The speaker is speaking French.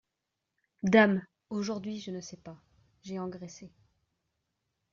Dame ! aujourd’hui, je ne sais pas… j’ai engraissé…